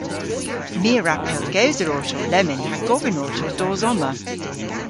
My a wra pellgewsel orto lemmyn ha govyn orto dos omma.